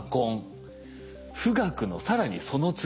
富岳の更にその次。